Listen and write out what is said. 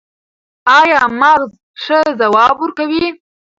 ایا مغز ښه ځواب ورکوي؟